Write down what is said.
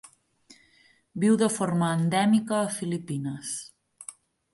Viu de forma endèmica a Filipines.